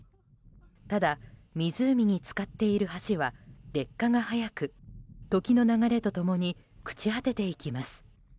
ただ、湖に使っている橋は劣化が早く時の流れと共に朽ち果てていきます。